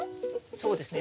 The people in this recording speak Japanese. そうですね